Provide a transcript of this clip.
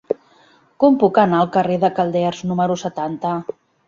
Com puc anar al carrer de Calders número setanta?